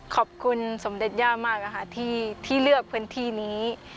สมเด็จย่ามากที่เลือกพื้นที่นี้